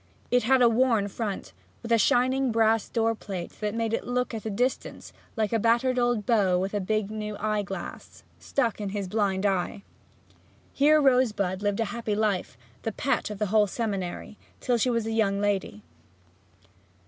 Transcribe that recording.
It had a worn front, with a shining brass door plate that made it look at a distance like a battered old beau with a big new eye glass stuck in his blind eye. Here Rosebud lived a happy life, the pet of the whole seminary, till she was a young lady.